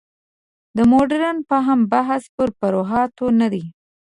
د مډرن فهم بحث پر فروعاتو نه دی.